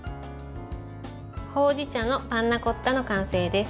ほうじ茶のパンナコッタの完成です。